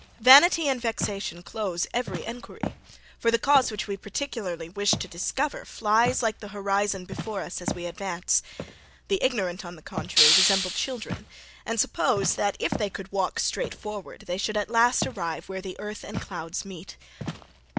Vanity and vexation close every inquiry: for the cause which we particularly wished to discover flies like the horizon before us as we advance. The ignorant, on the contrary, resemble children, and suppose, that if they could walk straight forward they should at last arrive where the earth and clouds meet.